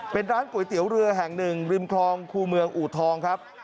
เป็นร้านก๋วยเตี๋ยวเรือแห่งหนึ่งริมคลองคู่เมืองอูทองครับ